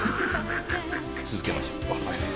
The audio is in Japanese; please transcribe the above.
続けましょう。